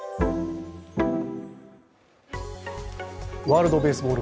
ワールドベースボール